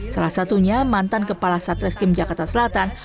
salah satunya mantan kepala satreskimp jakarta selatan